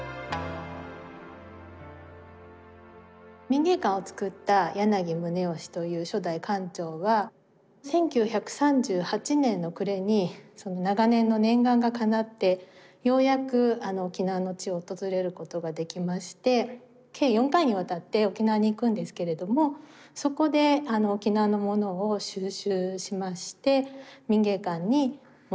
民藝館をつくった柳宗悦という初代館長は１９３８年の暮れに長年の念願がかなってようやく沖縄の地を訪れることができまして計４回にわたって沖縄に行くんですけれどもそこで沖縄のものを収集しまして民藝館に持ち帰りました。